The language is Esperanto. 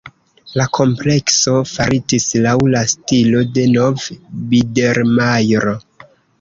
La komplekso faritis laŭ la stilo de nov-bidermajro.